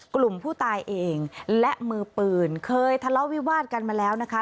กลุ่มผู้ตายเองและมือปืนเคยทะเลาะวิวาดกันมาแล้วนะคะ